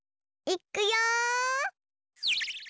いっくよ！